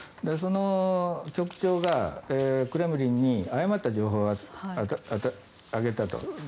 その局長がクレムリンに誤った情報を上げたと。